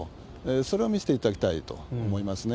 それを見していただきたいと思いますね。